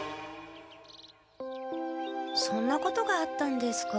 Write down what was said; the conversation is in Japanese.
そんなことがあったんですか。